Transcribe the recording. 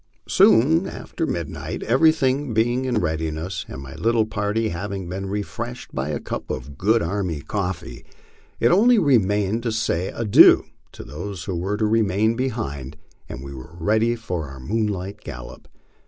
Soon after midnight, everything being in readiness, and my little party hav ing been refreshed by a cup of good army coffee, it only remained to say adieu to those who were to remain behind, and we were ready for our moonlight gallop.